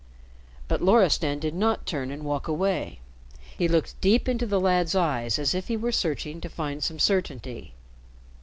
But Loristan did not turn and walk away. He looked deep into the lad's eyes as if he were searching to find some certainty.